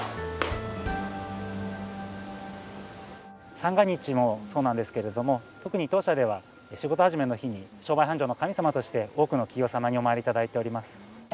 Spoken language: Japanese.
三が日もそうなんですけれども特に当社では仕事始めの日に商売繁盛の神様として多くの企業様にお参り頂いております。